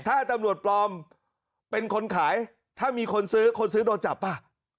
ถ้าตำรวจปลอมเป็นคนขายถ้ามีคนซื้อคนซื้อโดนจับป่ะ